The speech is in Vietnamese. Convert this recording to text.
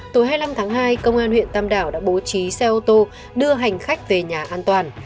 tối hai mươi năm tháng hai công an huyện tam đảo đã bố trí xe ô tô đưa hành khách về nhà an toàn